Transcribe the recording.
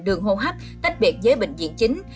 đường hô hấp tách biệt với bệnh viện chính